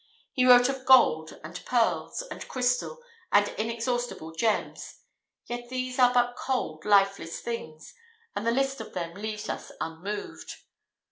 He wrote of gold, and pearls, and crystal, and inexhaustible gems—yet these are but cold, lifeless things, and the list of them leaves us unmoved.